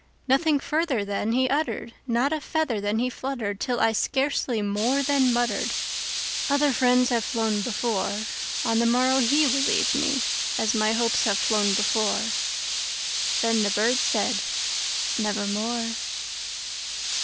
Nothing further then he uttered, not a feather then he fluttered, Till I scarcely more than muttered,—"Other friends have flown before; On the morrow he will leave me, as my Hopes have flown before."Then the bird said, "Nevermore."